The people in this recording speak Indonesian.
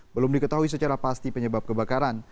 belum diketahui secara pasti penyebab kebakaran